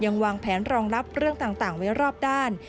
วางแผนรองรับเรื่องต่างไว้รอบด้าน